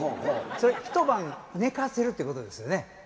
それ一晩寝かせるっていうことですよね？